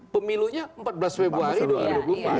pemilunya empat belas februari dua ribu dua puluh empat